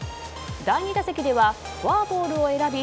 第２打席ではフォアボールを選び